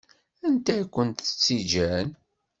Anta i kent-tt-igan?